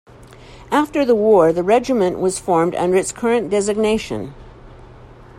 After the war, the regiment was formed under its current designation.